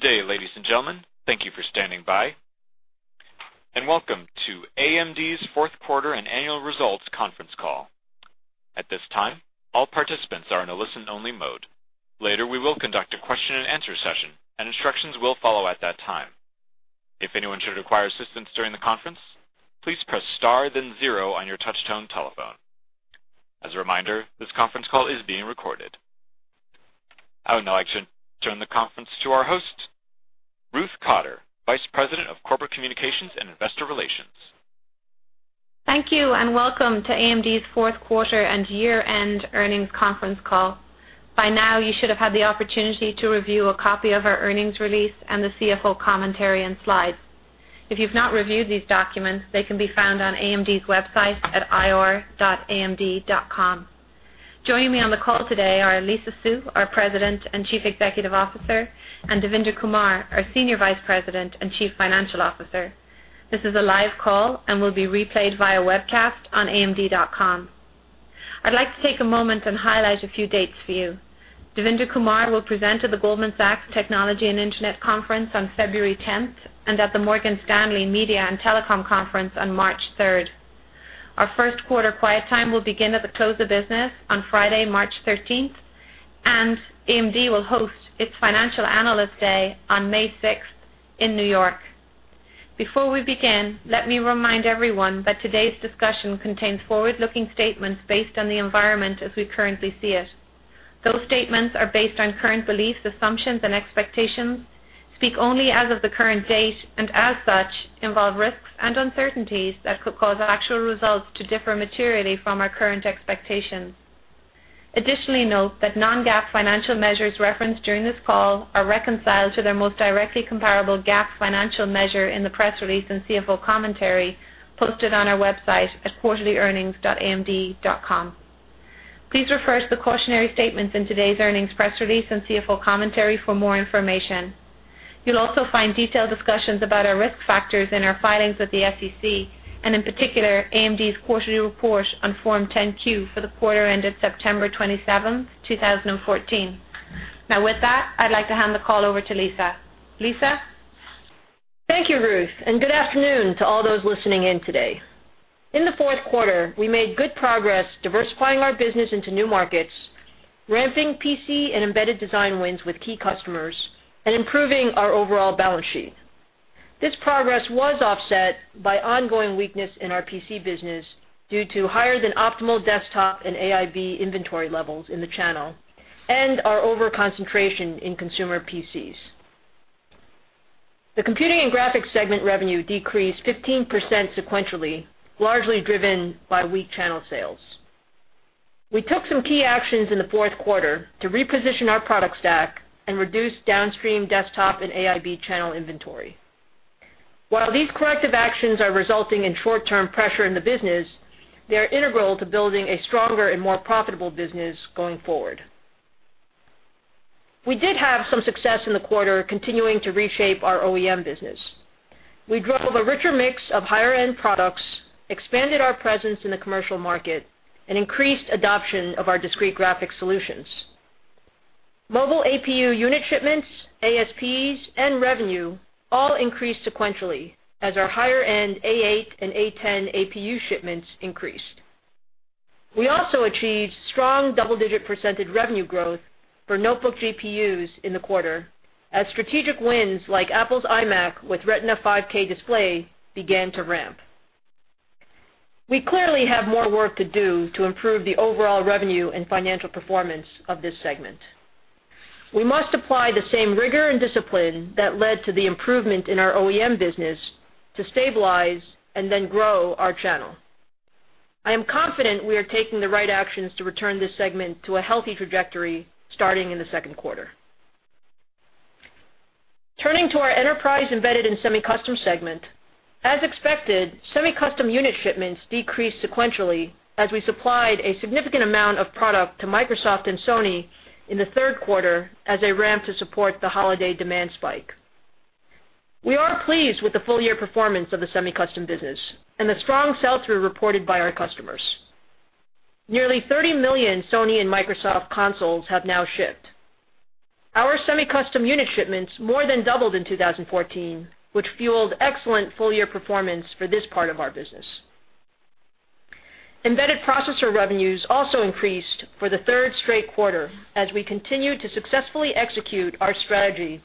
Good day, ladies and gentlemen. Thank you for standing by, and welcome to AMD's fourth quarter and annual results conference call. At this time, all participants are in a listen-only mode. Later, we will conduct a question and answer session, and instructions will follow at that time. If anyone should require assistance during the conference, please press star then zero on your touchtone telephone. As a reminder, this conference call is being recorded. I would now like to turn the conference to our host, Ruth Cotter, Vice President of Corporate Communications and Investor Relations. Thank you, and welcome to AMD's fourth quarter and year-end earnings conference call. By now, you should have had the opportunity to review a copy of our earnings release and the CFO commentary and slides. If you've not reviewed these documents, they can be found on AMD's website at ir.amd.com. Joining me on the call today are Lisa Su, our President and Chief Executive Officer, and Devinder Kumar, our Senior Vice President and Chief Financial Officer. This is a live call and will be replayed via webcast on amd.com. I'd like to take a moment and highlight a few dates for you. Devinder Kumar will present to the Goldman Sachs Technology and Internet Conference on February 10th, and at the Morgan Stanley Media and Telecom Conference on March 3rd. Our first quarter quiet time will begin at the close of business on Friday, March 13th, and AMD will host its Financial Analyst Day on May 6th in New York. Before we begin, let me remind everyone that today's discussion contains forward-looking statements based on the environment as we currently see it. Those statements are based on current beliefs, assumptions and expectations, speak only as of the current date, and as such, involve risks and uncertainties that could cause actual results to differ materially from our current expectations. Additionally, note that non-GAAP financial measures referenced during this call are reconciled to their most directly comparable GAAP financial measure in the press release and CFO commentary posted on our website at quarterlyearnings.amd.com. Please refer to the cautionary statements in today's earnings press release and CFO commentary for more information. You'll also find detailed discussions about our risk factors in our filings with the SEC, and in particular, AMD's quarterly report on Form 10-Q for the quarter ended September 27, 2014. Now, with that, I'd like to hand the call over to Lisa. Lisa? Thank you, Ruth, and good afternoon to all those listening in today. In the fourth quarter, we made good progress diversifying our business into new markets, ramping PC and embedded design wins with key customers, and improving our overall balance sheet. This progress was offset by ongoing weakness in our PC business due to higher than optimal desktop and AIB inventory levels in the channel and our over-concentration in consumer PCs. The computing and graphics segment revenue decreased 15% sequentially, largely driven by weak channel sales. We took some key actions in the fourth quarter to reposition our product stack and reduce downstream desktop and AIB channel inventory. While these corrective actions are resulting in short-term pressure in the business, they are integral to building a stronger and more profitable business going forward. We did have some success in the quarter continuing to reshape our OEM business. We drove a richer mix of higher-end products, expanded our presence in the commercial market, and increased adoption of our discrete graphics solutions. Mobile APU unit shipments, ASPs, and revenue all increased sequentially as our higher-end A8 and A10 APU shipments increased. We also achieved strong double-digit percentage revenue growth for notebook GPUs in the quarter as strategic wins like Apple's iMac with Retina 5K display began to ramp. We clearly have more work to do to improve the overall revenue and financial performance of this segment. We must apply the same rigor and discipline that led to the improvement in our OEM business to stabilize and then grow our channel. I am confident we are taking the right actions to return this segment to a healthy trajectory starting in the second quarter. Turning to our enterprise, embedded, and semi-custom segment. As expected, semi-custom unit shipments decreased sequentially as we supplied a significant amount of product to Microsoft and Sony in the third quarter as they ramped to support the holiday demand spike. We are pleased with the full-year performance of the semi-custom business and the strong sell-through reported by our customers. Nearly 30 million Sony and Microsoft consoles have now shipped. Our semi-custom unit shipments more than doubled in 2014, which fueled excellent full-year performance for this part of our business. Embedded processor revenues also increased for the third straight quarter as we continued to successfully execute our strategy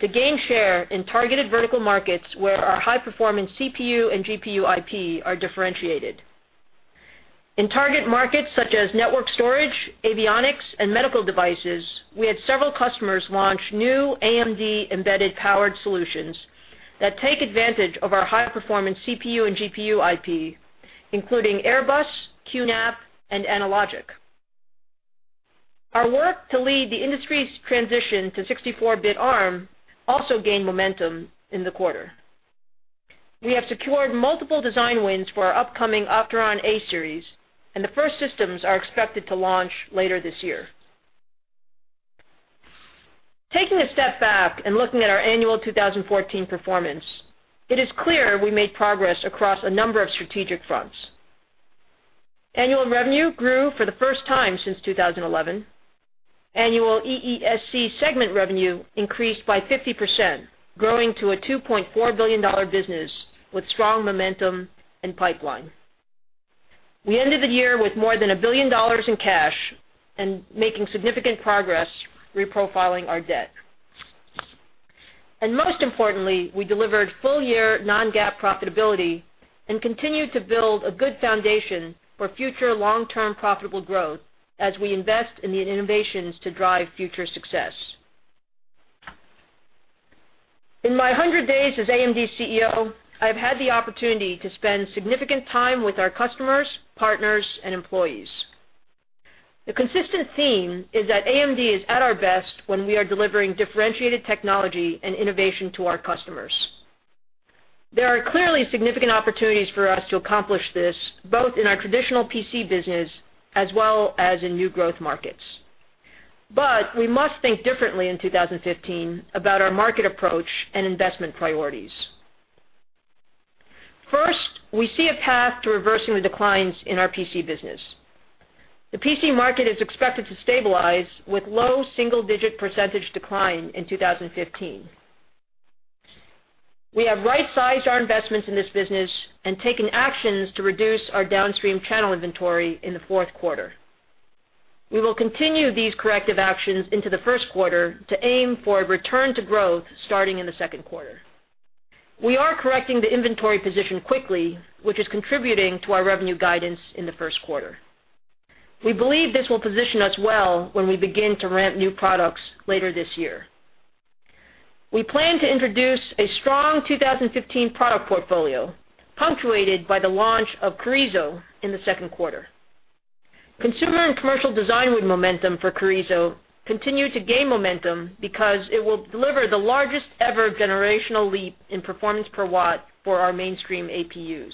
to gain share in targeted vertical markets where our high-performance CPU and GPU IP are differentiated. In target markets such as network storage, avionics, and medical devices, we had several customers launch new AMD-embedded powered solutions that take advantage of our high-performance CPU and GPU IP, including Airbus, QNAP, and Analogic. Our work to lead the industry's transition to 64-bit ARM also gained momentum in the quarter. We have secured multiple design wins for our upcoming Opteron A-series, and the first systems are expected to launch later this year. Taking a step back and looking at our annual 2014 performance, it is clear we made progress across a number of strategic fronts. Annual revenue grew for the first time since 2011. Annual EESC segment revenue increased by 50%, growing to a $2.4 billion business with strong momentum and pipeline. We ended the year with more than $1 billion in cash and making significant progress reprofiling our debt. Most importantly, we delivered full-year non-GAAP profitability and continued to build a good foundation for future long-term profitable growth as we invest in the innovations to drive future success. In my 100 days as AMD's CEO, I've had the opportunity to spend significant time with our customers, partners, and employees. The consistent theme is that AMD is at our best when we are delivering differentiated technology and innovation to our customers. There are clearly significant opportunities for us to accomplish this, both in our traditional PC business as well as in new growth markets. We must think differently in 2015 about our market approach and investment priorities. First, we see a path to reversing the declines in our PC business. The PC market is expected to stabilize with low single-digit % decline in 2015. We have right-sized our investments in this business and taken actions to reduce our downstream channel inventory in the fourth quarter. We will continue these corrective actions into the first quarter to aim for a return to growth starting in the second quarter. We are correcting the inventory position quickly, which is contributing to our revenue guidance in the first quarter. We believe this will position us well when we begin to ramp new products later this year. We plan to introduce a strong 2015 product portfolio, punctuated by the launch of Carrizo in the second quarter. Consumer and commercial design with momentum for Carrizo continue to gain momentum because it will deliver the largest ever generational leap in performance per watt for our mainstream APUs.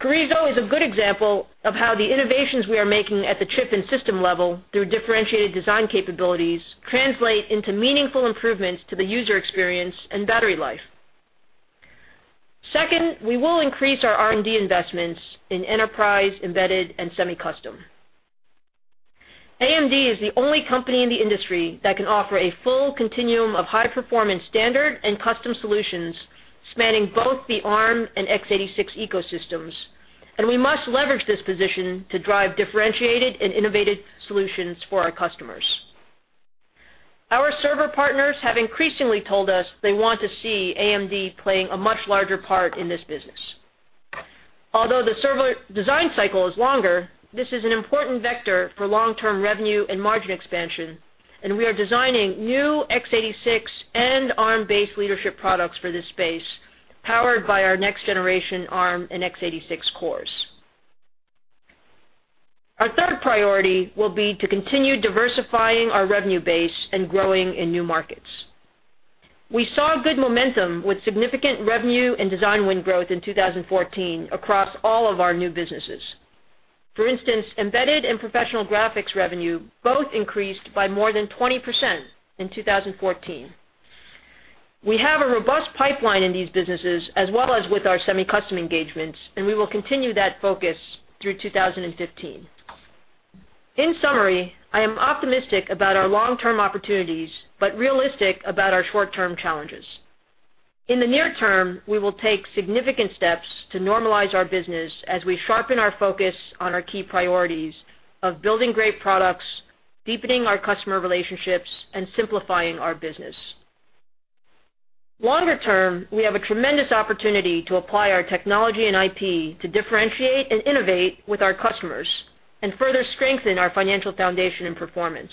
Carrizo is a good example of how the innovations we are making at the chip and system level, through differentiated design capabilities, translate into meaningful improvements to the user experience and battery life. Second, we will increase our R&D investments in enterprise, embedded, and semi-custom. AMD is the only company in the industry that can offer a full continuum of high-performance standard and custom solutions spanning both the ARM and x86 ecosystems. We must leverage this position to drive differentiated and innovative solutions for our customers. Our server partners have increasingly told us they want to see AMD playing a much larger part in this business. Although the server design cycle is longer, this is an important vector for long-term revenue and margin expansion. We are designing new x86 and ARM-based leadership products for this space, powered by our next-generation ARM and x86 cores. Our third priority will be to continue diversifying our revenue base and growing in new markets. We saw good momentum with significant revenue and design win growth in 2014 across all of our new businesses. For instance, embedded and professional graphics revenue both increased by more than 20% in 2014. We have a robust pipeline in these businesses as well as with our semi-custom engagements. We will continue that focus through 2015. In summary, I am optimistic about our long-term opportunities but realistic about our short-term challenges. In the near term, we will take significant steps to normalize our business as we sharpen our focus on our key priorities of building great products, deepening our customer relationships, and simplifying our business. Longer term, we have a tremendous opportunity to apply our technology and IP to differentiate and innovate with our customers and further strengthen our financial foundation and performance.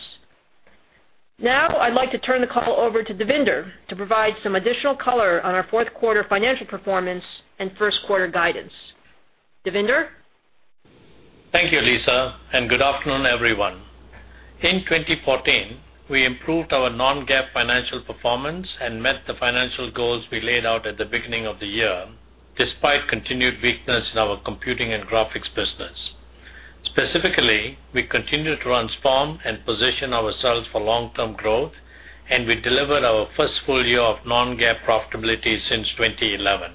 Now I'd like to turn the call over to Devinder to provide some additional color on our fourth quarter financial performance and first quarter guidance. Devinder? Thank you, Lisa, and good afternoon, everyone. In 2014, we improved our non-GAAP financial performance and met the financial goals we laid out at the beginning of the year, despite continued weakness in our computing and graphics business. Specifically, we continued to transform and position ourselves for long-term growth, we delivered our first full year of non-GAAP profitability since 2011.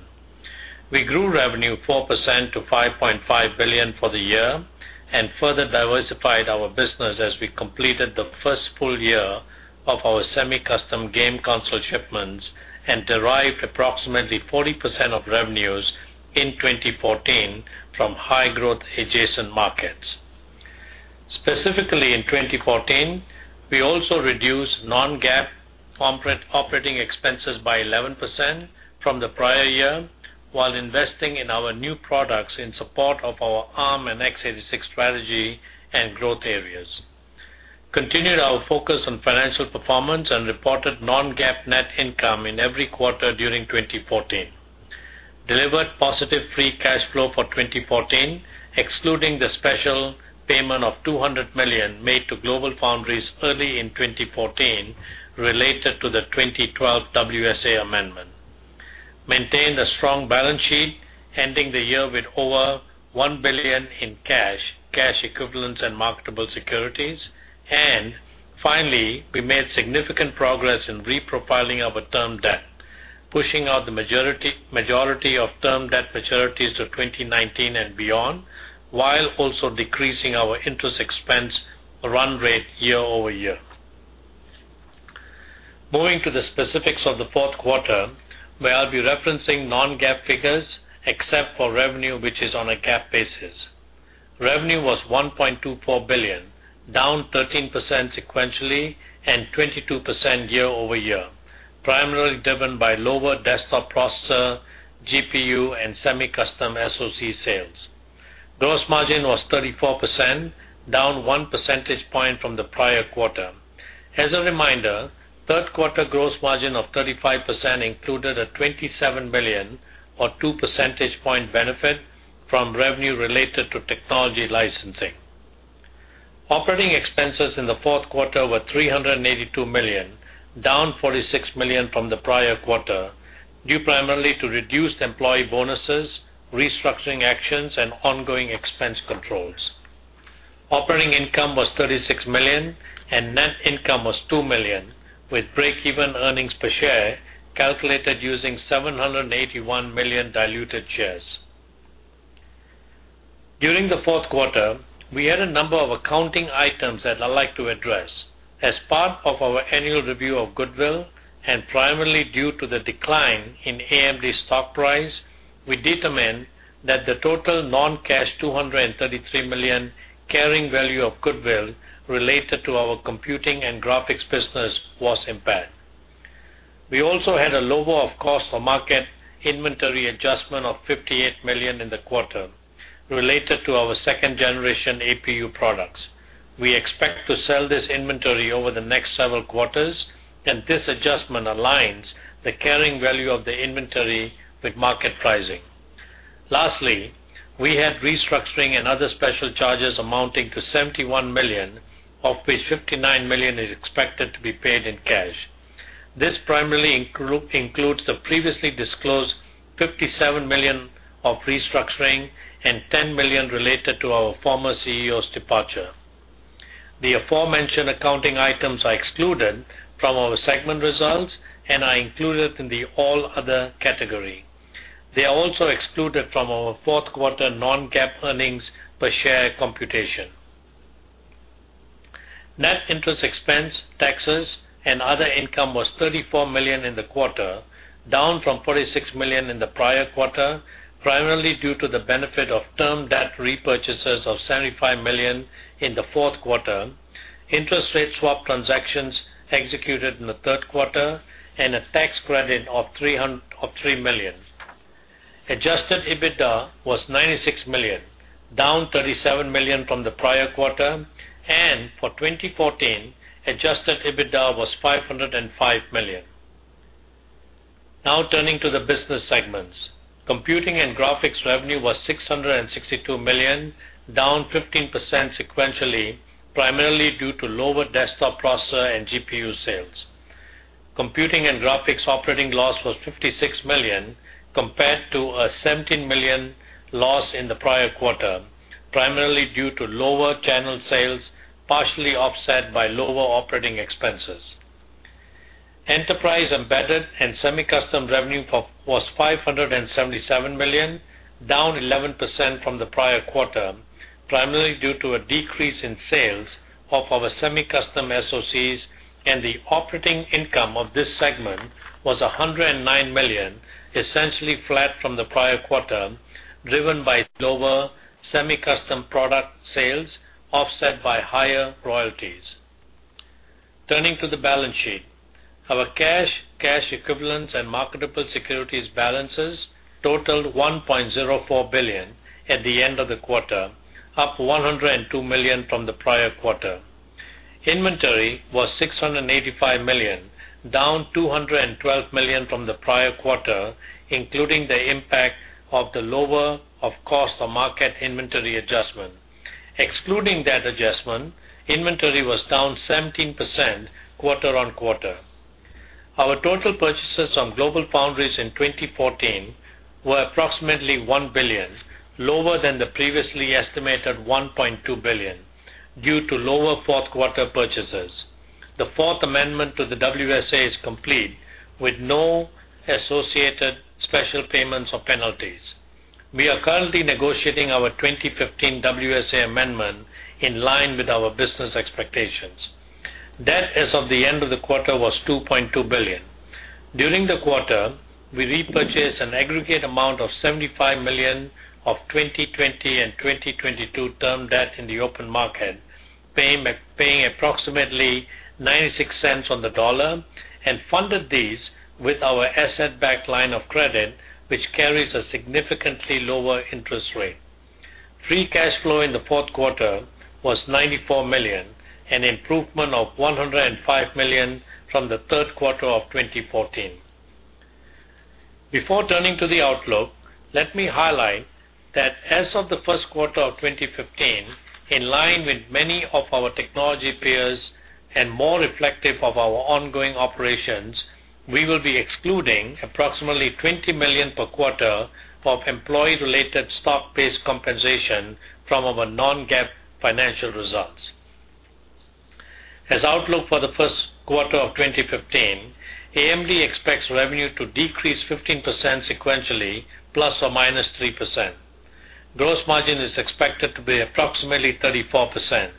We grew revenue 4% to $5.5 billion for the year and further diversified our business as we completed the first full year of our semi-custom game console shipments and derived approximately 40% of revenues in 2014 from high-growth adjacent markets. Specifically in 2014, we also reduced non-GAAP operating expenses by 11% from the prior year while investing in our new products in support of our ARM and x86 strategy and growth areas, continued our focus on financial performance and reported non-GAAP net income in every quarter during 2014, delivered positive free cash flow for 2014, excluding the special payment of $200 million made to GlobalFoundries early in 2014 related to the 2012 WSA amendment, maintained a strong balance sheet, ending the year with over $1 billion in cash equivalents, and marketable securities. Finally, we made significant progress in reprofiling our term debt. Pushing out the majority of term debt maturities to 2019 and beyond, while also decreasing our interest expense run rate year-over-year. Moving to the specifics of the fourth quarter, where I'll be referencing non-GAAP figures except for revenue, which is on a GAAP basis. Revenue was $1.24 billion, down 13% sequentially and 22% year-over-year, primarily driven by lower desktop processor, GPU, and semi-custom SoC sales. Gross margin was 34%, down one percentage point from the prior quarter. As a reminder, third quarter gross margin of 35% included a $27 million or two percentage point benefit from revenue related to technology licensing. Operating expenses in the fourth quarter were $382 million, down $46 million from the prior quarter, due primarily to reduced employee bonuses, restructuring actions, and ongoing expense controls. Operating income was $36 million and net income was $2 million, with break-even earnings per share calculated using 781 million diluted shares. During the fourth quarter, we had a number of accounting items that I'd like to address. As part of our annual review of goodwill, and primarily due to the decline in AMD stock price, we determined that the total non-cash $233 million carrying value of goodwill related to our computing and graphics business was impaired. We also had a lower of cost or market inventory adjustment of $58 million in the quarter related to our second generation APU products. We expect to sell this inventory over the next several quarters, this adjustment aligns the carrying value of the inventory with market pricing. Lastly, we had restructuring and other special charges amounting to $71 million, of which $59 million is expected to be paid in cash. This primarily includes the previously disclosed $57 million of restructuring and $10 million related to our former CEO's departure. The aforementioned accounting items are excluded from our segment results and are included in the all other category. They are also excluded from our fourth quarter non-GAAP earnings per share computation. Net interest expense, taxes, and other income was $34 million in the quarter, down from $46 million in the prior quarter, primarily due to the benefit of term debt repurchases of $75 million in the fourth quarter, interest rate swap transactions executed in the third quarter and a tax credit of $3 million. Adjusted EBITDA was $96 million, down $37 million from the prior quarter, and for 2014, Adjusted EBITDA was $505 million. Turning to the business segments. Computing and graphics revenue was $662 million, down 15% sequentially, primarily due to lower desktop processor and GPU sales. Computing and graphics operating loss was $56 million, compared to a $17 million loss in the prior quarter, primarily due to lower channel sales, partially offset by lower operating expenses. Enterprise, Embedded, and Semi-Custom revenue was $577 million, down 11% from the prior quarter, primarily due to a decrease in sales of our semi-custom SoCs, and the operating income of this segment was $109 million, essentially flat from the prior quarter, driven by lower semi-custom product sales offset by higher royalties. Turning to the balance sheet. Our cash equivalents and marketable securities balances totaled $1.04 billion at the end of the quarter, up $102 million from the prior quarter. Inventory was $685 million, down $212 million from the prior quarter, including the impact of the lower of cost or market inventory adjustment. Excluding that adjustment, inventory was down 17% quarter-on-quarter. Our total purchases on GlobalFoundries in 2014 were approximately $1 billion, lower than the previously estimated $1.2 billion due to lower fourth-quarter purchases. The fourth amendment to the WSA is complete, with no associated special payments or penalties. We are currently negotiating our 2015 WSA amendment in line with our business expectations. Debt as of the end of the quarter was $2.2 billion. During the quarter, we repurchased an aggregate amount of $75 million of 2020 and 2022 term debt in the open market, paying approximately $0.96 on the dollar and funded these with our asset-backed line of credit, which carries a significantly lower interest rate. Free cash flow in the fourth quarter was $94 million, an improvement of $105 million from the third quarter of 2014. Before turning to the outlook, let me highlight that as of the first quarter of 2015, in line with many of our technology peers and more reflective of our ongoing operations, we will be excluding approximately $20 million per quarter of employee-related stock-based compensation from our non-GAAP financial results. Our outlook for the first quarter of 2015, AMD expects revenue to decrease 15% sequentially, ±3%. Gross margin is expected to be approximately 34%.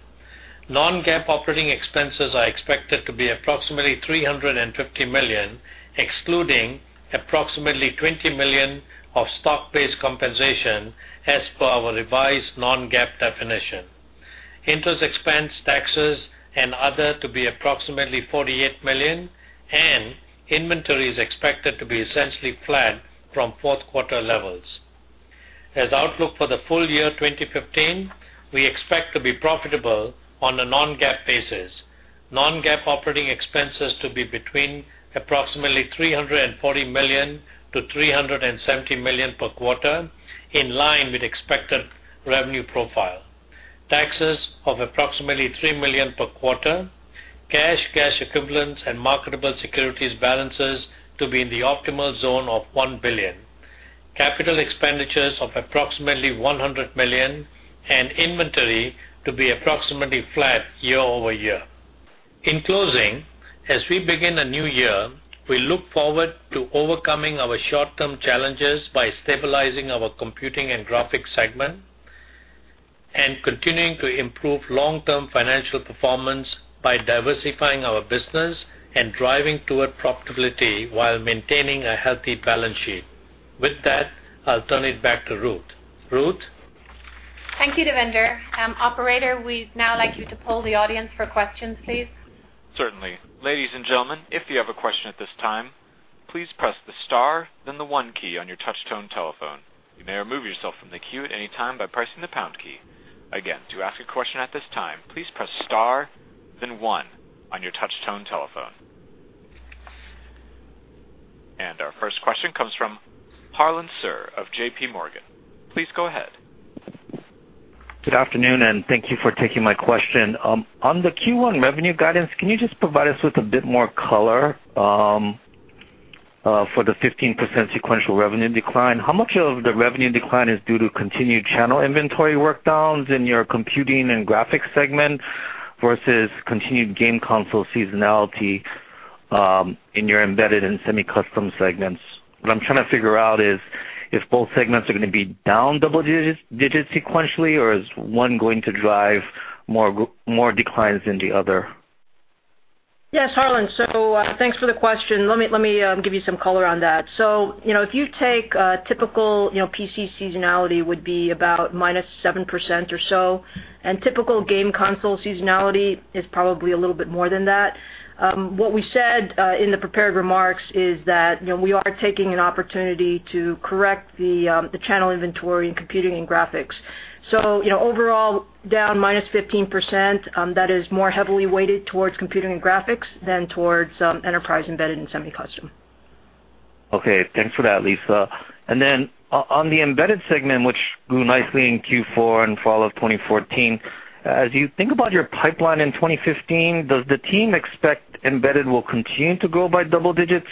Non-GAAP operating expenses are expected to be approximately $350 million, excluding approximately $20 million of stock-based compensation as per our revised non-GAAP definition. Interest expense, taxes, and other to be approximately $48 million, and inventory is expected to be essentially flat from fourth quarter levels. Our outlook for the full year 2015, we expect to be profitable on a non-GAAP basis. Non-GAAP operating expenses to be between approximately $340 million-$370 million per quarter, in line with expected revenue profile. Taxes of approximately $3 million per quarter. Cash, cash equivalents, and marketable securities balances to be in the optimal zone of $1 billion. Capital expenditures of approximately $100 million, and inventory to be approximately flat year-over-year. In closing, as we begin a new year, we look forward to overcoming our short-term challenges by stabilizing our Computing and Graphics segment, and continuing to improve long-term financial performance by diversifying our business and driving toward profitability while maintaining a healthy balance sheet. With that, I'll turn it back to Ruth. Ruth? Thank you, Devinder. Operator, we'd now like you to poll the audience for questions, please. Certainly. Ladies and gentlemen, if you have a question at this time, please press the star, then the one key on your touch tone telephone. You may remove yourself from the queue at any time by pressing the pound key. Again, to ask a question at this time, please press star, then one on your touch tone telephone. Our first question comes from Harlan Sur of J.P. Morgan. Please go ahead. Good afternoon, thank you for taking my question. On the Q1 revenue guidance, can you just provide us with a bit more color for the 15% sequential revenue decline? How much of the revenue decline is due to continued channel inventory work downs in your Computing and Graphics segment, versus continued game console seasonality in your Embedded and Semi-Custom segments? What I'm trying to figure out is if both segments are going to be down double digits sequentially, or is one going to drive more declines than the other? Yes, Harlan. Thanks for the question. Let me give you some color on that. If you take a typical PC seasonality would be about -7% or so, and typical game console seasonality is probably a little bit more than that. What we said in the prepared remarks is that we are taking an opportunity to correct the channel inventory in computing and graphics. Overall, down -15%, that is more heavily weighted towards computing and graphics than towards enterprise embedded and semi-custom. Thanks for that, Lisa. On the embedded segment, which grew nicely in Q4 and fall of 2014, as you think about your pipeline in 2015, does the team expect embedded will continue to grow by double digits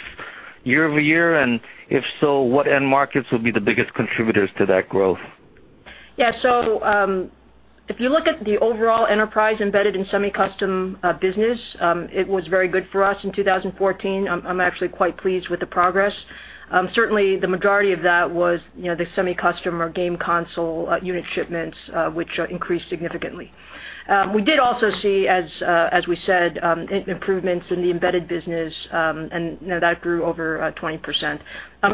year-over-year? If so, what end markets will be the biggest contributors to that growth? If you look at the overall enterprise embedded in semi-custom business, it was very good for us in 2014. I'm actually quite pleased with the progress. Certainly, the majority of that was the semi-custom or game console unit shipments, which increased significantly. We did also see, as we said, improvements in the embedded business, and that grew over 20%.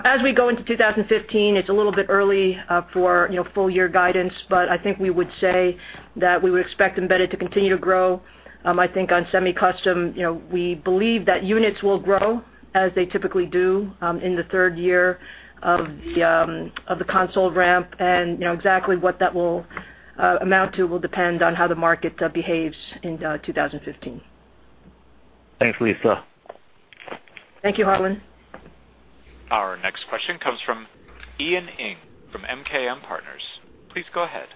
As we go into 2015, it's a little bit early for full year guidance, but I think we would say that we would expect embedded to continue to grow. I think on semi-custom, we believe that units will grow as they typically do in the third year of the console ramp. Exactly what that will amount to will depend on how the market behaves in 2015. Thanks, Lisa. Thank you, Harlan. Our next question comes from Ian Ing from MKM Partners. Please go ahead.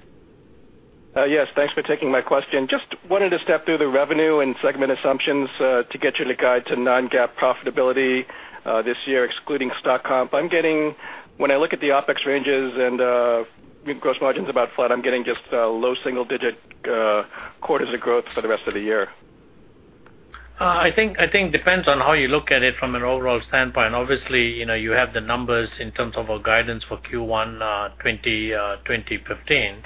Yes, thanks for taking my question. Just wanted to step through the revenue and segment assumptions to get you to guide to non-GAAP profitability this year, excluding stock comp. When I look at the OpEx ranges and gross margins about flat, I'm getting just low single-digit quarters of growth for the rest of the year. I think it depends on how you look at it from an overall standpoint. Obviously, you have the numbers in terms of our guidance for Q1 2015.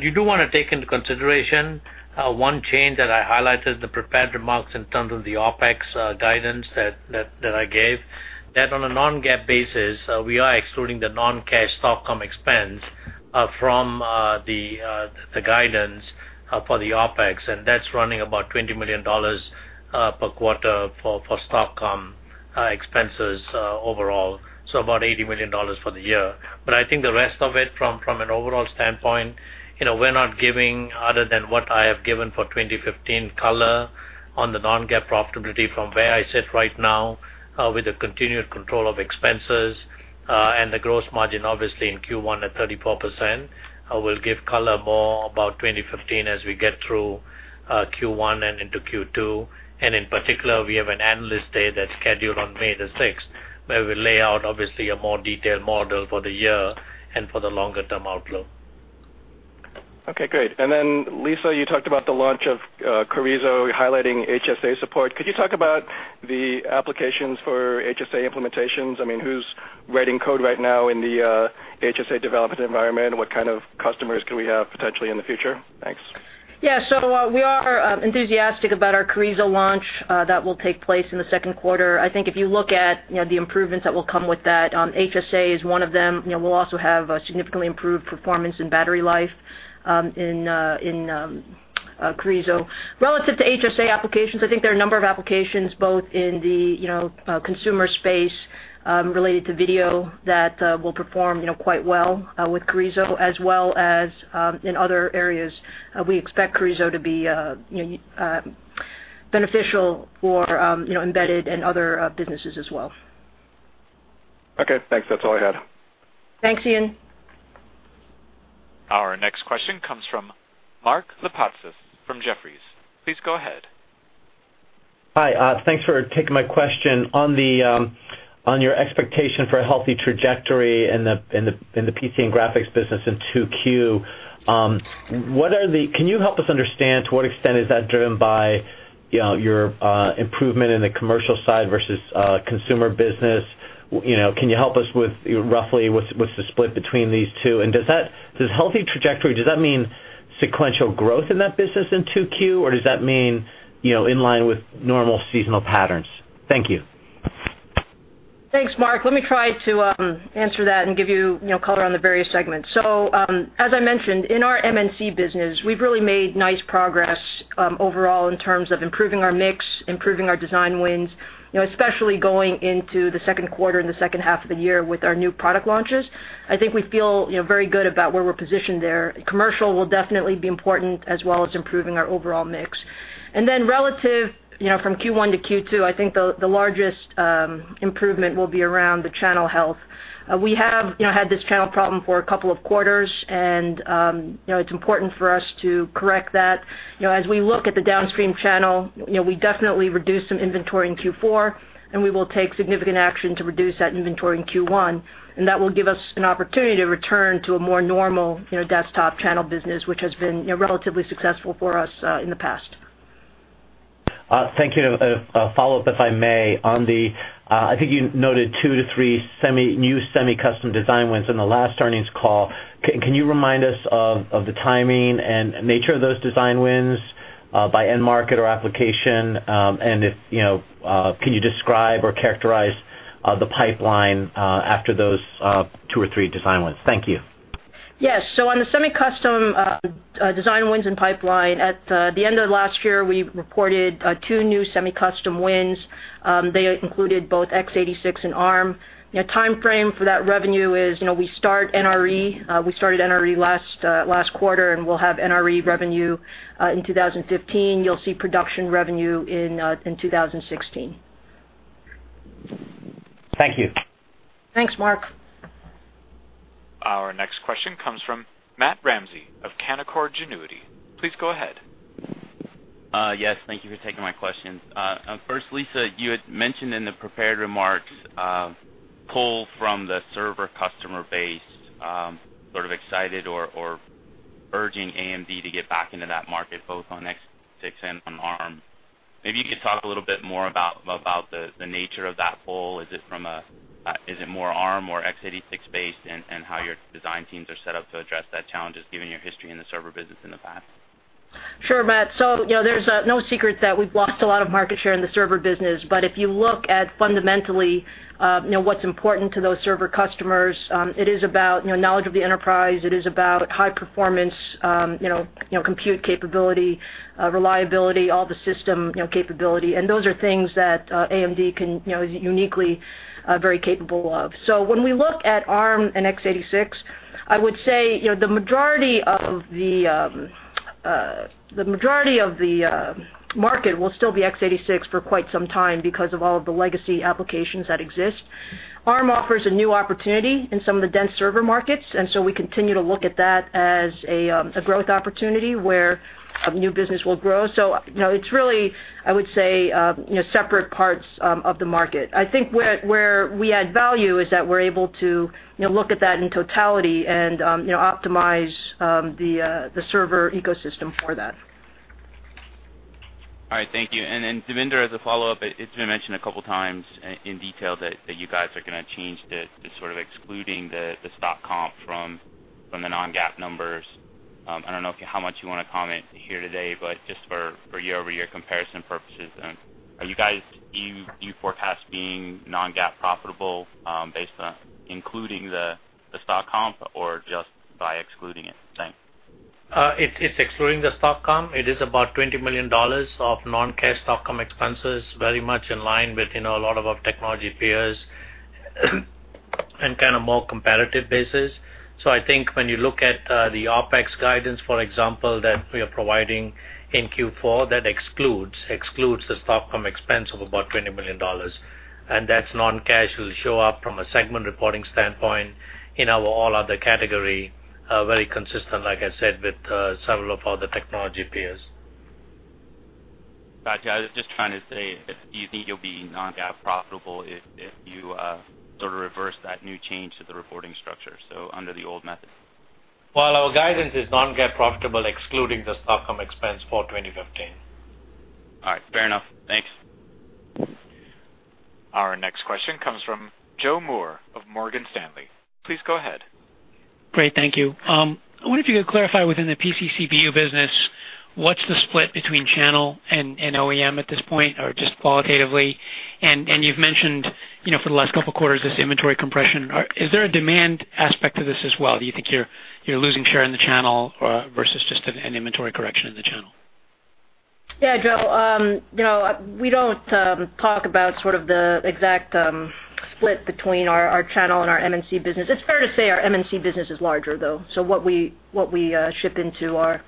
You do want to take into consideration one change that I highlighted in the prepared remarks in terms of the OpEx guidance that I gave, that on a non-GAAP basis, we are excluding the non-cash stock comp expense from the guidance for the OpEx. That's running about $20 million per quarter for stock comp expenses overall. So about $80 million for the year. I think the rest of it, from an overall standpoint, we're not giving other than what I have given for 2015 color on the non-GAAP profitability from where I sit right now, with the continued control of expenses, and the gross margin obviously in Q1 at 34%. I will give color more about 2015 as we get through Q1 and into Q2. In particular, we have an Analyst Day that's scheduled on May 6th, where we lay out obviously a more detailed model for the year and for the longer-term outlook. Okay, great. Lisa, you talked about the launch of Carrizo highlighting HSA support. Could you talk about the applications for HSA implementations? I mean, who's writing code right now in the HSA development environment? What kind of customers could we have potentially in the future? Thanks. Yeah. We are enthusiastic about our Carrizo launch that will take place in the second quarter. I think if you look at the improvements that will come with that, HSA is one of them. We'll also have a significantly improved performance in battery life in Carrizo. Relative to HSA applications, I think there are a number of applications both in the consumer space related to video that will perform quite well with Carrizo, as well as in other areas. We expect Carrizo to be beneficial for embedded and other businesses as well. Okay, thanks. That's all I had. Thanks, Ian. Our next question comes from Mark Lipacis from Jefferies. Please go ahead. Hi. Thanks for taking my question. On your expectation for a healthy trajectory in the PC and graphics business in 2Q, can you help us understand to what extent is that driven by your improvement in the commercial side versus consumer business? Can you help us with roughly what's the split between these two? Does healthy trajectory, does that mean sequential growth in that business in 2Q, or does that mean in line with normal seasonal patterns? Thank you. Thanks, Mark. Let me try to answer that and give you color on the various segments. As I mentioned, in our OEM business, we've really made nice progress overall in terms of improving our mix, improving our design wins, especially going into the second quarter and the second half of the year with our new product launches. I think we feel very good about where we're positioned there. Commercial will definitely be important, as well as improving our overall mix. Then relative from Q1 to Q2, I think the largest improvement will be around the channel health. We have had this channel problem for a couple of quarters, and it's important for us to correct that. As we look at the downstream channel, we definitely reduced some inventory in Q4. We will take significant action to reduce that inventory in Q1. That will give us an opportunity to return to a more normal desktop channel business, which has been relatively successful for us in the past. Thank you. A follow-up, if I may. I think you noted two to three new semi-custom design wins in the last earnings call. Can you remind us of the timing and nature of those design wins by end market or application? Can you describe or characterize the pipeline after those two or three design wins? Thank you. Yes. On the semi-custom design wins and pipeline, at the end of last year, we reported two new semi-custom wins. They included both x86 and ARM. Timeframe for that revenue is, we start NRE. We started NRE last quarter. We'll have NRE revenue in 2015. You'll see production revenue in 2016. Thank you. Thanks, Mark. Our next question comes from Matt Ramsay of Canaccord Genuity. Please go ahead. Yes, thank you for taking my questions. First, Lisa, you had mentioned in the prepared remarks, pull from the server customer base, sort of excited or urging AMD to get back into that market, both on x86 and on ARM. Maybe you could talk a little bit more about the nature of that pull. Is it more ARM or x86-based, and how your design teams are set up to address that challenge given your history in the server business in the past? Sure, Matt. There's no secret that we've lost a lot of market share in the server business. If you look at fundamentally what's important to those server customers, it is about knowledge of the enterprise. It is about high performance, compute capability, reliability, all the system capability, and those are things that AMD is uniquely very capable of. When we look at Arm and x86, I would say the majority of the market will still be x86 for quite some time because of all of the legacy applications that exist. Arm offers a new opportunity in some of the dense server markets, we continue to look at that as a growth opportunity where new business will grow. It's really, I would say, separate parts of the market. I think where we add value is that we're able to look at that in totality and optimize the server ecosystem for that. All right, thank you. Then, Devinder, as a follow-up, it's been mentioned a couple of times in detail that you guys are going to change to sort of excluding the stock comp from the non-GAAP numbers. I don't know how much you want to comment here today, but just for year-over-year comparison purposes, do you forecast being non-GAAP profitable based on including the stock comp or just by excluding it? Thanks. It's excluding the stock comp. It is about $20 million of non-cash stock comp expenses, very much in line with a lot of our technology peers in kind of more competitive basis. I think when you look at the OpEx guidance, for example, that we are providing in Q4, that excludes the stock comp expense of about $20 million. That non-cash will show up from a segment reporting standpoint in our all-other category, very consistent, like I said, with several of our other technology peers. Got you. I was just trying to say, do you think you'll be non-GAAP profitable if you reverse that new change to the reporting structure, so under the old method? Well, our guidance is non-GAAP profitable, excluding the stock comp expense for 2015. All right. Fair enough. Thanks. Our next question comes from Joe Moore of Morgan Stanley. Please go ahead. Great. Thank you. I wonder if you could clarify within the PCCBU business, what's the split between channel and OEM at this point, or just qualitatively? You've mentioned, for the last couple of quarters, this inventory compression. Is there a demand aspect to this as well? Do you think you're losing share in the channel versus just an inventory correction in the channel? Yeah, Joe. We don't talk about the exact split between our channel and our M&C business. It's fair to say our M&C business is larger, though. What we ship into our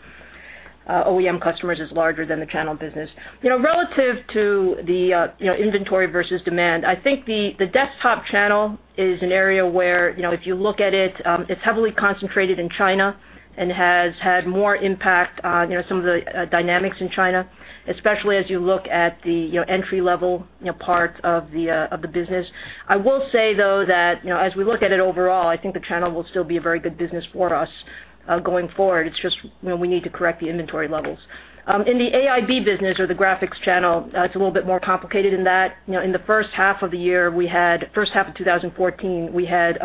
OEM customers is larger than the channel business. Relative to the inventory versus demand, I think the desktop channel is an area where, if you look at it's heavily concentrated in China and has had more impact on some of the dynamics in China, especially as you look at the entry-level part of the business. I will say, though, that as we look at it overall, I think the channel will still be a very good business for us going forward. It's just we need to correct the inventory levels. In the AIB business or the graphics channel, it's a little bit more complicated in that. In the first half of the year, first half of 2014, we had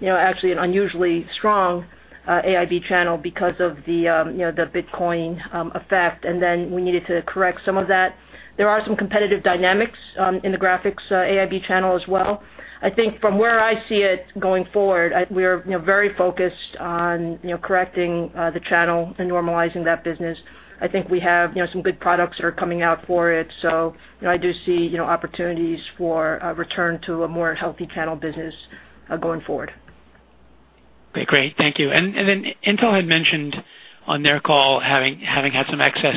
actually an unusually strong AIB channel because of the Bitcoin effect. We needed to correct some of that. There are some competitive dynamics in the graphics AIB channel as well. I think from where I see it going forward, we are very focused on correcting the channel and normalizing that business. I think we have some good products that are coming out for it, so I do see opportunities for a return to a more healthy channel business going forward. Okay, great. Thank you. Intel had mentioned on their call having had some excess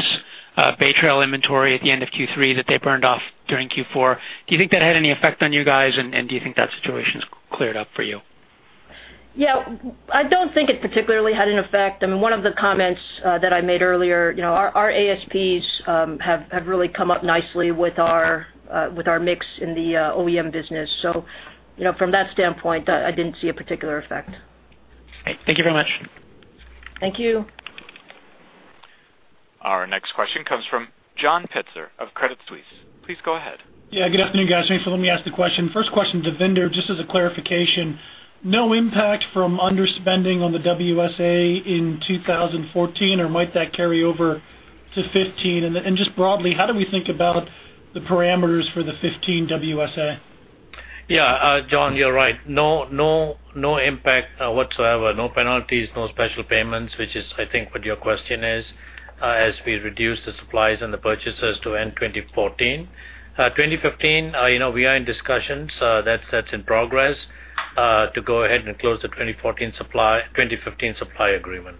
Bay Trail inventory at the end of Q3 that they burned off during Q4. Do you think that had any effect on you guys, and do you think that situation's cleared up for you? Yeah. I don't think it particularly had an effect. I mean, one of the comments that I made earlier, our ASPs have really come up nicely with our mix in the OEM business. From that standpoint, I didn't see a particular effect. Great. Thank you very much. Thank you. Our next question comes from John Pitzer of Credit Suisse. Please go ahead. Good afternoon, guys. Thanks for letting me ask the question. First question to Devinder, just as a clarification, no impact from underspending on the WSA in 2014, or might that carry over to 2015? Just broadly, how do we think about the parameters for the 2015 WSA? John, you're right. No impact whatsoever, no penalties, no special payments, which is, I think, what your question is, as we reduce the supplies and the purchases to end 2014. 2015, we are in discussions. That's in progress to go ahead and close the 2015 supply agreement.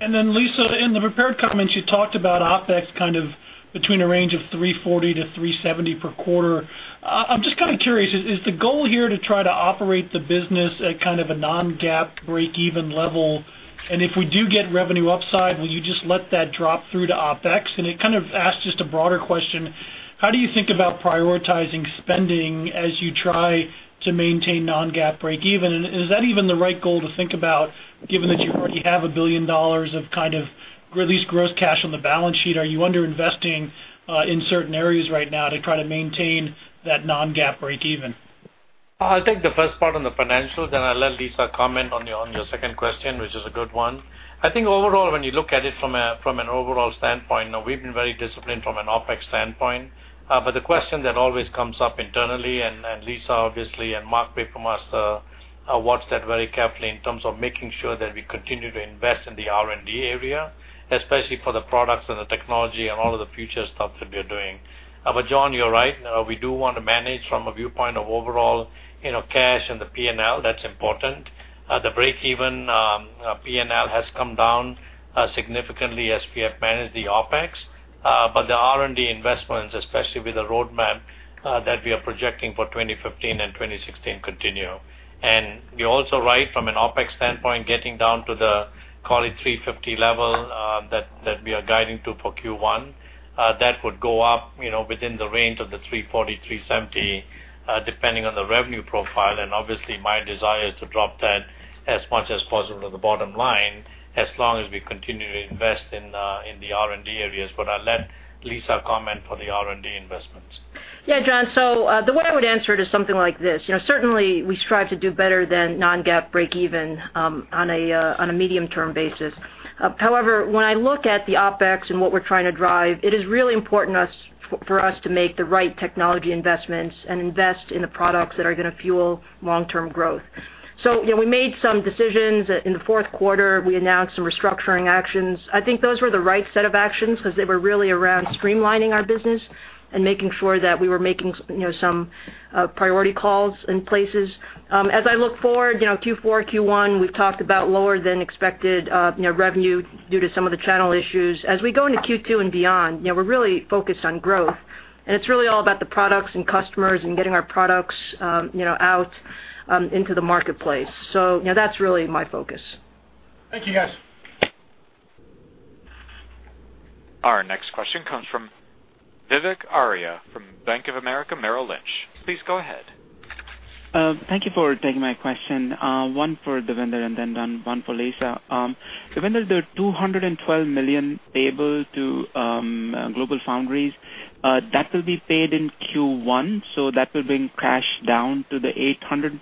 Lisa, in the prepared comments, you talked about OpEx kind of between a range of $340 million to $370 million per quarter. I'm just kind of curious, is the goal here to try to operate the business at kind of a non-GAAP breakeven level, if we do get revenue upside, will you just let that drop through to OpEx? kind of ask just a broader question, how do you think about prioritizing spending as you try to maintain non-GAAP breakeven, is that even the right goal to think about, given that you already have $1 billion of at least gross cash on the balance sheet? Are you under-investing in certain areas right now to try to maintain that non-GAAP breakeven? I'll take the first part on the financials, I'll let Lisa comment on your second question, which is a good one. Overall, when you look at it from an overall standpoint, we've been very disciplined from an OpEx standpoint. The question that always comes up internally, Lisa, obviously, and Mark Papermaster, watch that very carefully in terms of making sure that we continue to invest in the R&D area, especially for the products and the technology and all of the future stuff that we are doing. John, you're right. We do want to manage from a viewpoint of overall cash and the P&L. That's important. The breakeven P&L has come down significantly as we have managed the OpEx. The R&D investments, especially with the roadmap that we are projecting for 2015 and 2016, continue. You're also right from an OpEx standpoint, getting down to the, call it $350 million level that we are guiding to for Q1. That would go up within the range of the $340 million, $370 million, depending on the revenue profile, obviously, my desire is to drop that as much as possible to the bottom line, as long as we continue to invest in the R&D areas. I'll let Lisa comment for the R&D investments. John. The way I would answer it is something like this. Certainly, we strive to do better than non-GAAP breakeven on a medium-term basis. However, when I look at the OpEx and what we're trying to drive, it is really important for us to make the right technology investments and invest in the products that are going to fuel long-term growth. We made some decisions. In the fourth quarter, we announced some restructuring actions. I think those were the right set of actions because they were really around streamlining our business and making sure that we were making some priority calls in places. As I look forward, Q4, Q1, we've talked about lower-than-expected revenue due to some of the channel issues. As we go into Q2 and beyond, we're really focused on growth, and it's really all about the products and customers and getting our products out into the marketplace. That's really my focus. Thank you, guys. Our next question comes from Vivek Arya from Bank of America Merrill Lynch. Please go ahead. Thank you for taking my question. One for Devinder and then one for Lisa. Devinder, the $212 million payable to GlobalFoundries, that will be paid in Q1, so that will bring cash down to the $800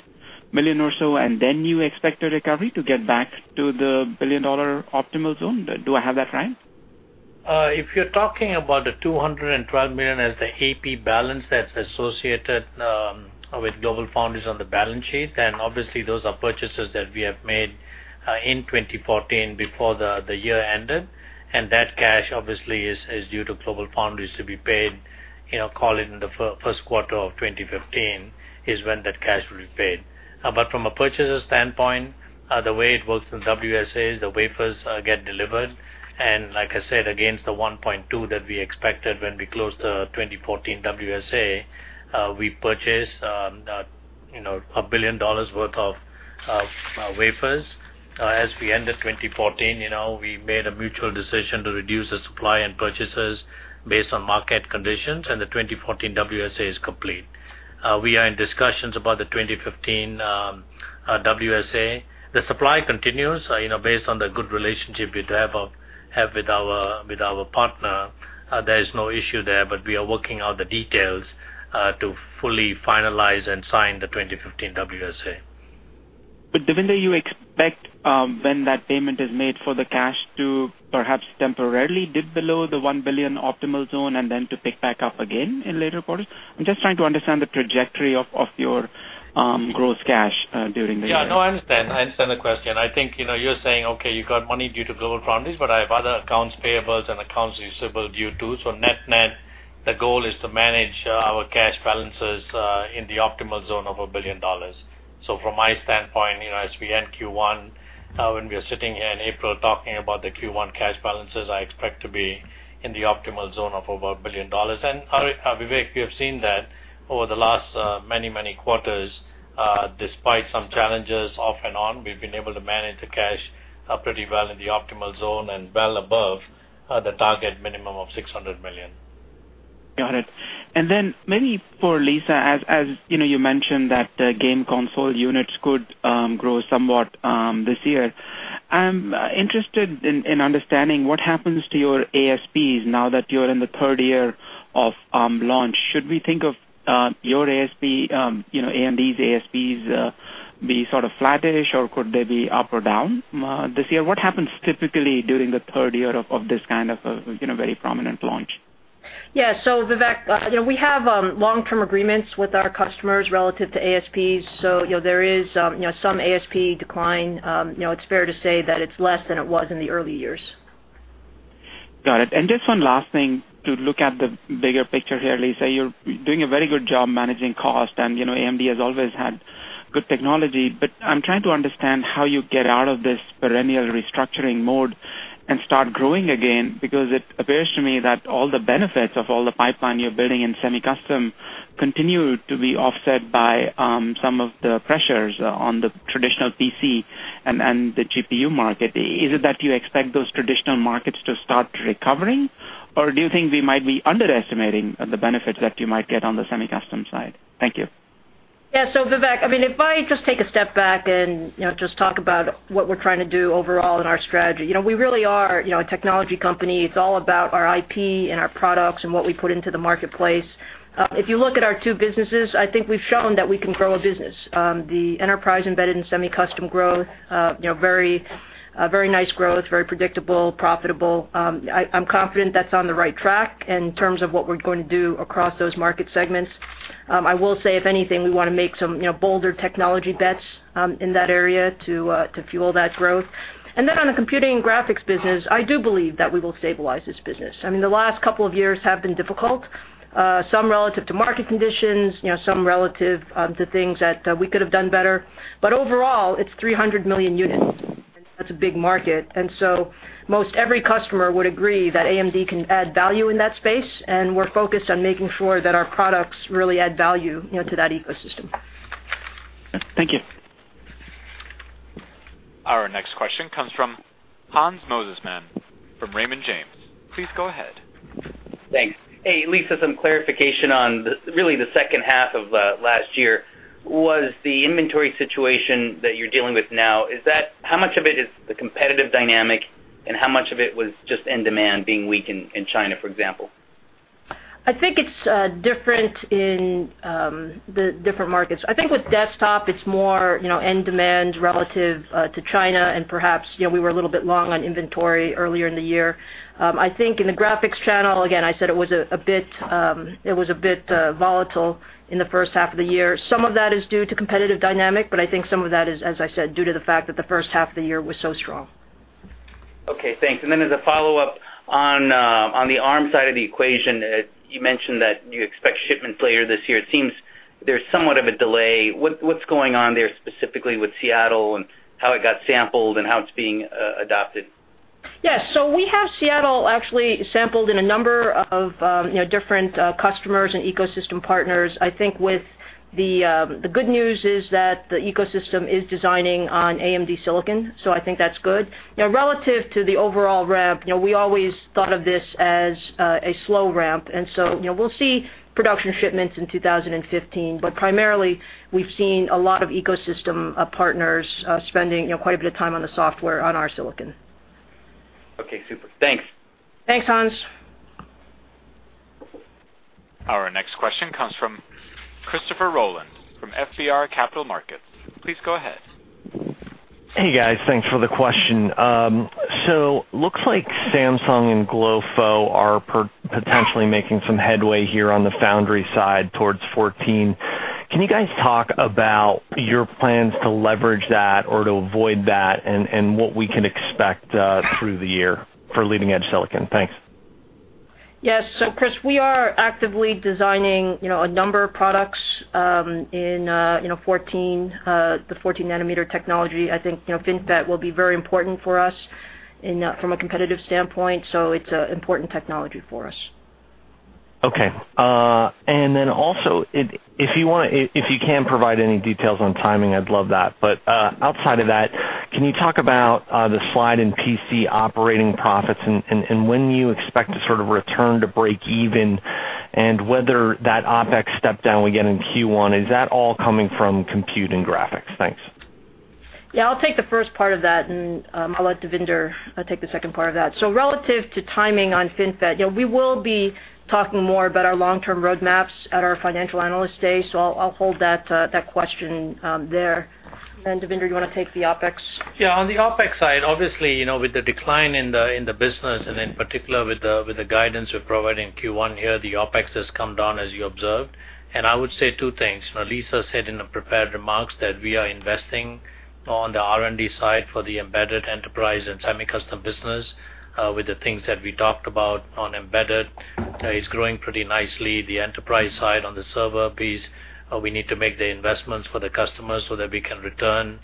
million or so, and then you expect a recovery to get back to the billion-dollar optimal zone. Do I have that right? If you're talking about the $212 million as the AP balance that's associated with GlobalFoundries on the balance sheet, obviously those are purchases that we have made in 2014 before the year ended. That cash obviously is due to GlobalFoundries to be paid, call it in the first quarter of 2015, is when that cash will be paid. From a purchaser standpoint, the way it works in WSAs, the wafers get delivered, and like I said, against the 1.2 that we expected when we closed the 2014 WSA, we purchased $1 billion worth of wafers. As we ended 2014, we made a mutual decision to reduce the supply and purchases based on market conditions, and the 2014 WSA is complete. We are in discussions about the 2015 WSA. The supply continues based on the good relationship we have with our partner. There is no issue there, but we are working out the details to fully finalize and sign the 2015 WSA. Devinder, you expect when that payment is made for the cash to perhaps temporarily dip below the $1 billion optimal zone and then to pick back up again in later quarters? I'm just trying to understand the trajectory of your gross cash during the year. Yeah. No, I understand. I understand the question. I think you're saying, okay, you got money due to GlobalFoundries, but I have other accounts payables and accounts receivable due too. Net-net, the goal is to manage our cash balances in the optimal zone of $1 billion. From my standpoint, as we end Q1, when we are sitting here in April talking about the Q1 cash balances, I expect to be in the optimal zone of about $1 billion. Vivek, we have seen that over the last many, many quarters, despite some challenges off and on, we've been able to manage the cash pretty well in the optimal zone and well above the target minimum of $600 million. Got it. Maybe for Lisa, as you mentioned that game console units could grow somewhat this year. I'm interested in understanding what happens to your ASPs now that you're in the third year of launch. Should we think of your ASP, AMD's ASPs, be sort of flattish, or could they be up or down this year? What happens typically during the third year of this kind of a very prominent launch? Yeah. Vivek, we have long-term agreements with our customers relative to ASPs. There is some ASP decline. It's fair to say that it's less than it was in the early years. Got it. Just one last thing to look at the bigger picture here, Lisa. You're doing a very good job managing cost, and AMD has always had good technology, but I'm trying to understand how you get out of this perennial restructuring mode and start growing again, because it appears to me that all the benefits of all the pipeline you're building in semi-custom continue to be offset by some of the pressures on the traditional PC and the GPU market. Is it that you expect those traditional markets to start recovering, or do you think we might be underestimating the benefits that you might get on the semi-custom side? Thank you. Yeah. Vivek, if I just take a step back and just talk about what we're trying to do overall in our strategy. We really are a technology company. It's all about our IP and our products and what we put into the marketplace. If you look at our two businesses, I think we've shown that we can grow a business. The Enterprise, Embedded, and Semi-Custom growth, very nice growth, very predictable, profitable. I'm confident that's on the right track in terms of what we're going to do across those market segments. I will say, if anything, we want to make some bolder technology bets in that area to fuel that growth. On the Computing and Graphics business, I do believe that we will stabilize this business. The last couple of years have been difficult. Some relative to market conditions, some relative to things that we could have done better. Overall, it's 300 million units. That's a big market. Most every customer would agree that AMD can add value in that space, and we're focused on making sure that our products really add value to that ecosystem. Thank you. Our next question comes from Hans Mosesmann from Raymond James. Please go ahead. Thanks. Hey, Lisa, some clarification on really the second half of last year. Was the inventory situation that you're dealing with now, how much of it is the competitive dynamic and how much of it was just end demand being weak in China, for example? I think it's different in the different markets. I think with desktop, it's more end demand relative to China and perhaps we were a little bit long on inventory earlier in the year. I think in the graphics channel, again, I said it was a bit volatile in the first half of the year. Some of that is due to competitive dynamic, but I think some of that is, as I said, due to the fact that the first half of the year was so strong. Okay, thanks. As a follow-up on the ARM side of the equation, you mentioned that you expect shipments later this year. It seems there's somewhat of a delay. What's going on there specifically with Seattle and how it got sampled and how it's being adopted? Yes. We have Seattle actually sampled in a number of different customers and ecosystem partners. I think the good news is that the ecosystem is designing on AMD silicon, so I think that's good. Relative to the overall ramp, we always thought of this as a slow ramp we'll see production shipments in 2015. Primarily, we've seen a lot of ecosystem partners spending quite a bit of time on the software on our silicon. Okay, super. Thanks. Thanks, Hans. Our next question comes from Christopher Rolland from FBR Capital Markets. Please go ahead. Hey, guys. Thanks for the question. Looks like Samsung and GloFo are potentially making some headway here on the foundry side towards 14. Can you guys talk about your plans to leverage that or to avoid that and what we can expect through the year for leading-edge silicon? Thanks. Yes. Chris, we are actively designing a number of products in the 14-nanometer technology. I think FinFET will be very important for us from a competitive standpoint, so it's an important technology for us. Okay. Also, if you can provide any details on timing, I'd love that. Outside of that, can you talk about the slide in PC operating profits and when you expect to sort of return to break even and whether that OpEx step down we get in Q1, is that all coming from compute and graphics? Thanks. Yeah, I'll take the first part of that and I'll let Devinder take the second part of that. Relative to timing on FinFET, we will be talking more about our long-term roadmaps at our financial analyst day. I'll hold that question there. Devinder, do you want to take the OpEx? Yeah. On the OpEx side, obviously, with the decline in the business and in particular with the guidance we provide in Q1 here, the OpEx has come down as you observed. I would say two things. Lisa said in the prepared remarks that we are investing on the R&D side for the embedded enterprise and semi-custom business with the things that we talked about on embedded. It's growing pretty nicely. The enterprise side on the server piece, we need to make the investments for the customers so that we can return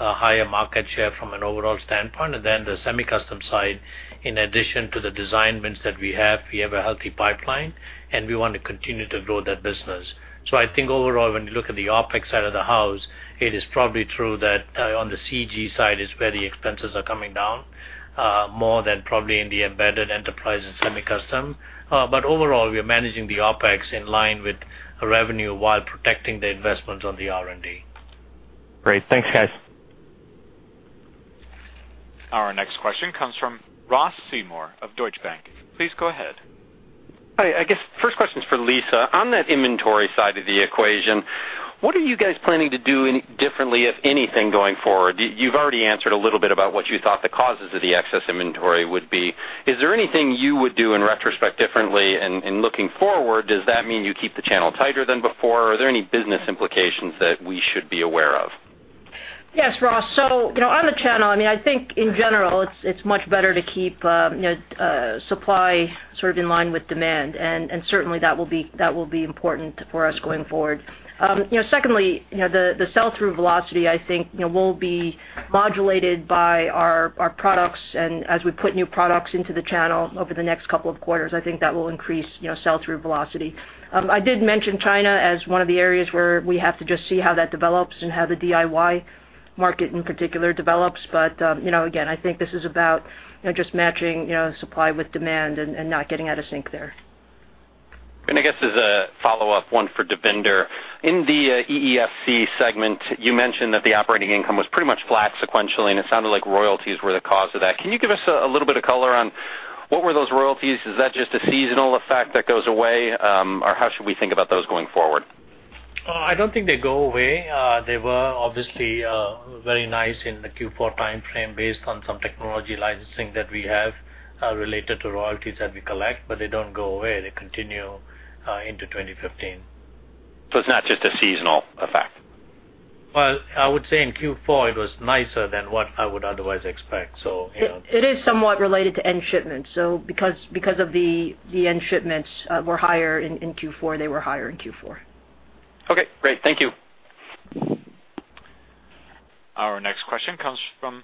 a higher market share from an overall standpoint. The semi-custom side, in addition to the design wins that we have, we have a healthy pipeline, and we want to continue to grow that business. I think overall, when you look at the OpEx side of the house, it is probably true that on the CG side is where the expenses are coming down, more than probably in the embedded enterprise and semi-custom. Overall, we are managing the OpEx in line with revenue while protecting the investments on the R&D. Great. Thanks, guys. Our next question comes from Ross Seymore of Deutsche Bank. Please go ahead. Hi. I guess first question's for Lisa. On that inventory side of the equation, what are you guys planning to do differently, if anything, going forward? You've already answered a little bit about what you thought the causes of the excess inventory would be. Is there anything you would do in retrospect differently, and looking forward, does that mean you keep the channel tighter than before? Are there any business implications that we should be aware of? Yes, Ross. On the channel, I think in general, it's much better to keep supply in line with demand. Certainly, that will be important for us going forward. Secondly, the sell-through velocity, I think, will be modulated by our products. As we put new products into the channel over the next couple of quarters, I think that will increase sell-through velocity. I did mention China as one of the areas where we have to just see how that develops and how the DIY market in particular develops. Again, I think this is about just matching supply with demand and not getting out of sync there. I guess as a follow-up one for Devinder. In the EESC segment, you mentioned that the operating income was pretty much flat sequentially, and it sounded like royalties were the cause of that. Can you give us a little bit of color on what were those royalties? Is that just a seasonal effect that goes away? How should we think about those going forward? I don't think they go away. They were obviously very nice in the Q4 timeframe based on some technology licensing that we have related to royalties that we collect, they don't go away. They continue into 2015. It's not just a seasonal effect. Well, I would say in Q4, it was nicer than what I would otherwise expect. You know. It is somewhat related to end shipments. Because of the end shipments were higher in Q4. Okay, great. Thank you. Our next question comes from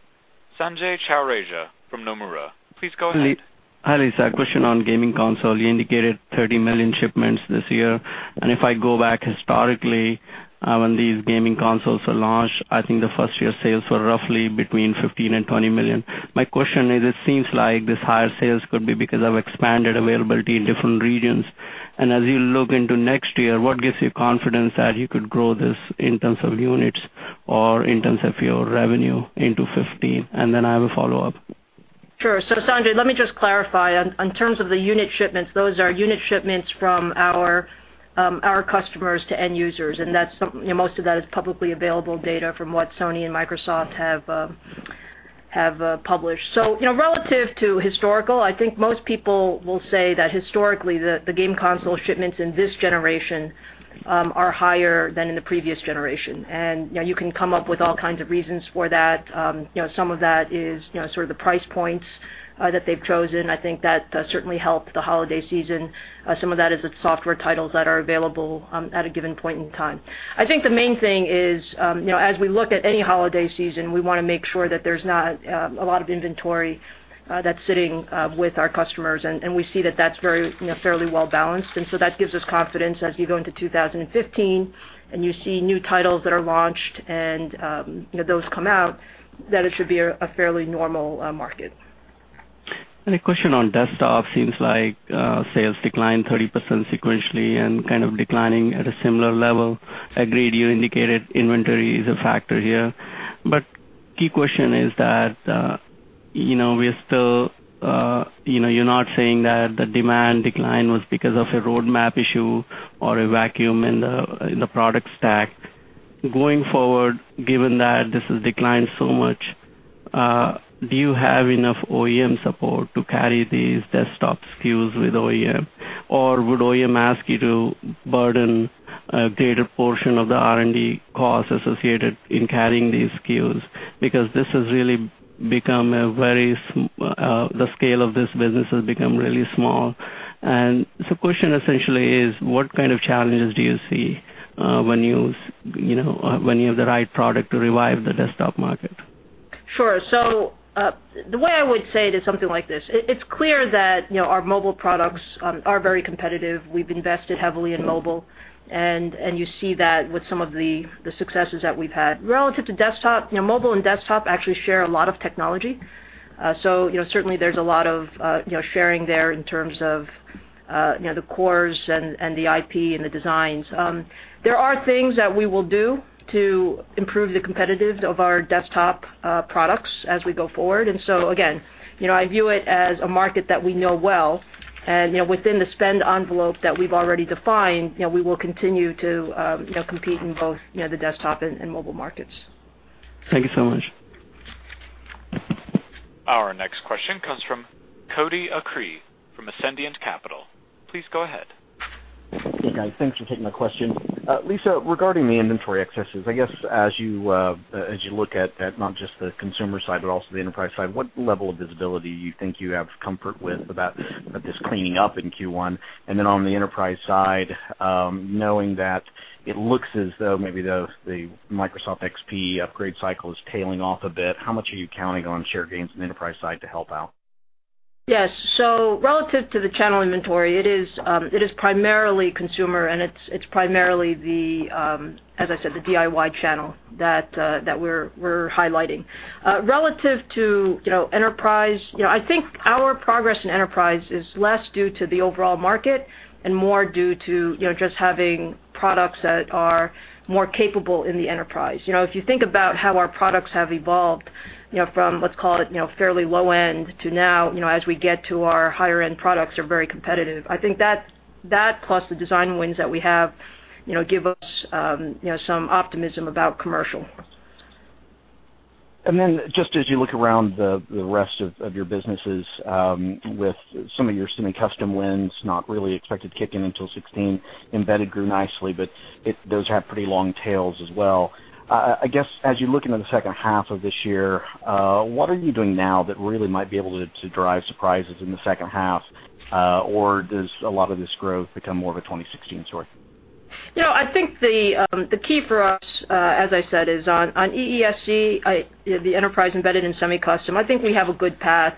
Sanjay Chaurasia from Nomura. Please go ahead. Hi, Lisa. A question on gaming console. You indicated 30 million shipments this year. If I go back historically, when these gaming consoles are launched, I think the first-year sales were roughly between 15 million and 20 million. My question is, it seems like this higher sales could be because of expanded availability in different regions. As you look into next year, what gives you confidence that you could grow this in terms of units or in terms of your revenue into 2015? I have a follow-up. Sanjay, let me just clarify. In terms of the unit shipments, those are unit shipments from our customers to end users, and most of that is publicly available data from what Sony and Microsoft have published. Relative to historical, I think most people will say that historically, the game console shipments in this generation are higher than in the previous generation. You can come up with all kinds of reasons for that. Some of that is sort of the price points that they've chosen. I think that certainly helped the holiday season. Some of that is the software titles that are available at a given point in time. I think the main thing is, as we look at any holiday season, we want to make sure that there's not a lot of inventory that's sitting with our customers, and we see that's very fairly well-balanced. That gives us confidence as we go into 2015 and you see new titles that are launched and those come out, that it should be a fairly normal market. A question on desktop. Seems like sales declined 30% sequentially and kind of declining at a similar level. Agreed, you indicated inventory is a factor here, but key question is that you're not saying that the demand decline was because of a roadmap issue or a vacuum in the product stack. Going forward, given that this has declined so much, do you have enough OEM support to carry these desktop SKUs with OEM? Or would OEM ask you to burden a greater portion of the R&D costs associated in carrying these SKUs? Because the scale of this business has become really small. The question essentially is, what kind of challenges do you see when you have the right product to revive the desktop market? Sure. The way I would say it is something like this. It's clear that our mobile products are very competitive. We've invested heavily in mobile, and you see that with some of the successes that we've had. Relative to desktop, mobile and desktop actually share a lot of technology. Certainly there's a lot of sharing there in terms of the cores and the IP and the designs. There are things that we will do to improve the competitiveness of our desktop products as we go forward. Again, I view it as a market that we know well, and within the spend envelope that we've already defined, we will continue to compete in both the desktop and mobile markets. Thank you so much. Our next question comes from Cody Acree from Ascendiant Capital. Please go ahead. Hey, guys. Thanks for taking my question. Lisa, regarding the inventory excesses, I guess as you look at not just the consumer side, but also the enterprise side, what level of visibility do you think you have comfort with about this cleaning up in Q1? And then on the enterprise side, knowing that it looks as though maybe the Microsoft XP upgrade cycle is tailing off a bit, how much are you counting on share gains in the enterprise side to help out? Yes. Relative to the channel inventory, it is primarily consumer, and it's primarily the, as I said, the DIY channel that we're highlighting. Relative to enterprise, I think our progress in enterprise is less due to the overall market and more due to just having products that are more capable in the enterprise. If you think about how our products have evolved from, let's call it, fairly low end to now, as we get to our higher-end products are very competitive. I think that plus the design wins that we have give us some optimism about commercial. Just as you look around the rest of your businesses, with some of your semi-custom wins not really expected to kick in until 2016. Embedded grew nicely, but those have pretty long tails as well. I guess as you look into the second half of this year, what are you doing now that really might be able to drive surprises in the second half? Or does a lot of this growth become more of a 2016 story? I think the key for us, as I said, is on EESC, the enterprise embedded in semi-custom, I think we have a good path.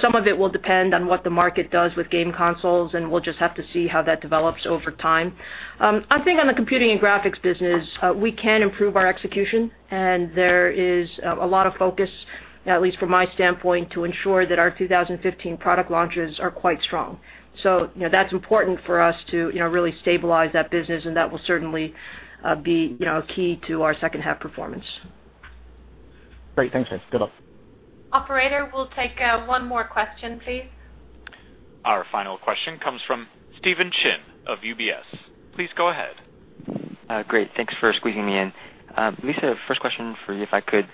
Some of it will depend on what the market does with game consoles, and we'll just have to see how that develops over time. I think on the computing and graphics business, we can improve our execution, and there is a lot of focus, at least from my standpoint, to ensure that our 2015 product launches are quite strong. That's important for us to really stabilize that business, and that will certainly be key to our second half performance. Great. Thanks, guys. Good luck. Operator, we'll take one more question, please. Our final question comes from Stephen Chin of UBS. Please go ahead. Great. Thanks for squeezing me in. Lisa, first question for you, if I could.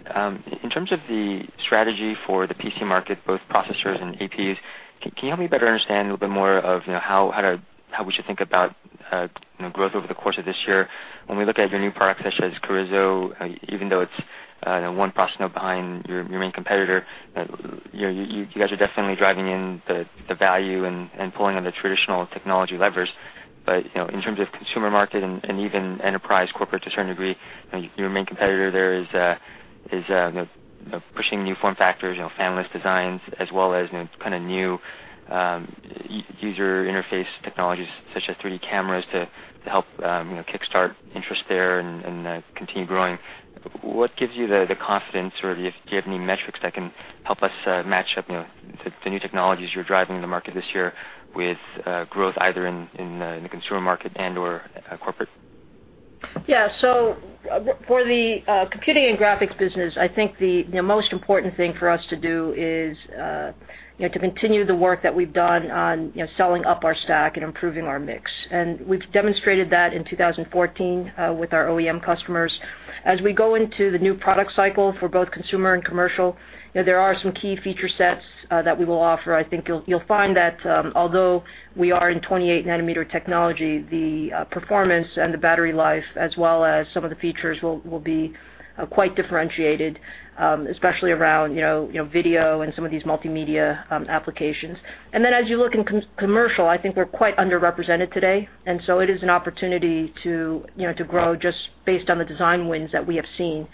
In terms of the strategy for the PC market, both processors and APUs, can you help me better understand a little bit more of how we should think about growth over the course of this year? When we look at your new products, such as Carrizo, even though it's one processor behind your main competitor, you guys are definitely driving in the value and pulling on the traditional technology levers. In terms of consumer market and even enterprise corporate to a certain degree, your main competitor there is pushing new form factors, fanless designs, as well as kind of new user interface technologies such as 3D cameras to help kickstart interest there and continue growing. What gives you the confidence, or do you have any metrics that can help us match up the new technologies you're driving in the market this year with growth either in the consumer market and/or corporate? Yeah. For the computing and graphics business, I think the most important thing for us to do is to continue the work that we've done on selling up our stack and improving our mix. We've demonstrated that in 2014 with our OEM customers. As we go into the new product cycle for both consumer and commercial, there are some key feature sets that we will offer. I think you'll find that although we are in 28-nanometer technology, the performance and the battery life, as well as some of the features, will be quite differentiated, especially around video and some of these multimedia applications. As you look in commercial, I think we're quite underrepresented today, it is an opportunity to grow just based on the design wins that we have seen,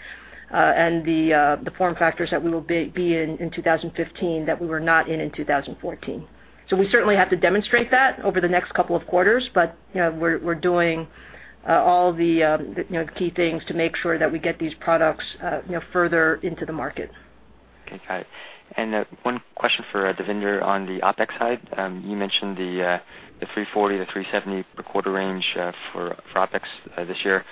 and the form factors that we will be in in 2015 that we were not in in 2014. We certainly have to demonstrate that over the next couple of quarters, but we're doing all the key things to make sure that we get these products further into the market. Okay. Got it. One question for Devinder on the OpEx side. You mentioned the $340 million-$370 million per quarter range for OpEx this year.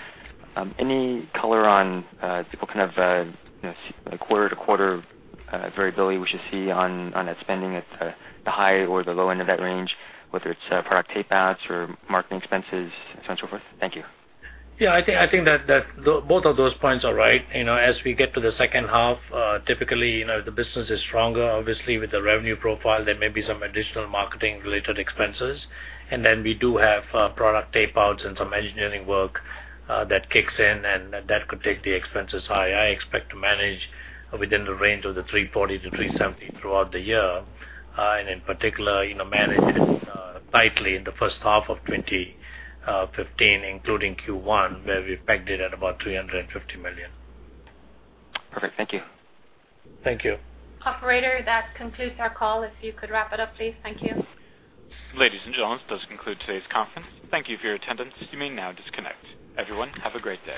Any color on the kind of quarter-to-quarter variability we should see on that spending at the high or the low end of that range, whether it's product tape outs or marketing expenses, so on, so forth? Thank you. I think that both of those points are right. As we get to the second half, typically, the business is stronger. Obviously, with the revenue profile, there may be some additional marketing-related expenses. Then we do have product tape outs and some engineering work that kicks in, and that could take the expenses high. I expect to manage within the range of the $340 million-$370 million throughout the year, and in particular, manage it tightly in the first half of 2015, including Q1, where we pegged it at about $350 million. Perfect. Thank you. Thank you. Operator, that concludes our call. If you could wrap it up, please. Thank you. Ladies and gentlemen, this concludes today's conference. Thank you for your attendance. You may now disconnect. Everyone, have a great day.